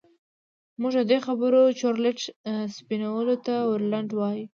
موږ د دې خبرې چورلټ سپينولو ته ور لنډ يوو.